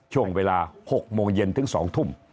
ช่วงเวลา๖โมงเย็นถึง๒ทุ่ม